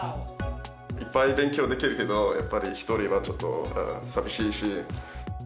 いっぱい勉強できるけど、やっぱり１人はちょっと寂しいし。